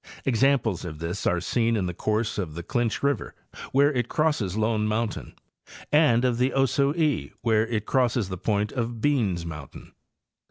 Examples of this are seen in the course of the Clinch river where it crosses Lone mountain, and of the Ocoee where it crosses the point of Beans mountain.